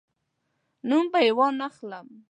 نوم به یې وانخلم.